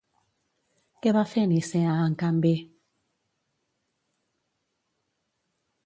Què va fer Nicea, en canvi?